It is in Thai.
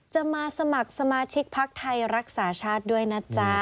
จะมาสมัครสมาชิกพักไทยรักษาชาติด้วยนะจ๊ะ